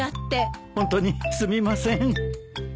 ホントにすみません。